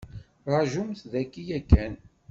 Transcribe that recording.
Ṛajumt daki yakan.